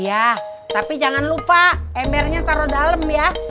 iya tapi jangan lupa embernya taruh dalam ya